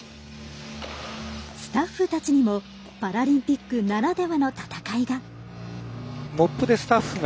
スタッフたちにもパラリンピックならではの闘いが。